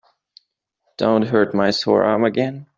Don't hurt my sore arm again.